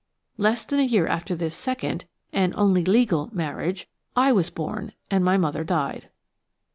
Less than a year after this second–and only legal–marriage, I was born and my mother died."